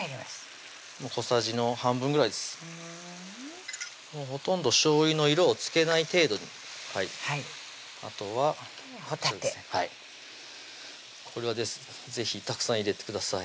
小さじの半分ぐらいですふんほとんどしょうゆの色をつけない程度にあとはほたてこれは是非たくさん入れてください